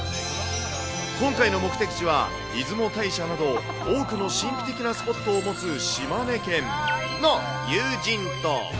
今回の目的地は、出雲大社など、多くの神秘的なスポットを持つ島根県の有人島。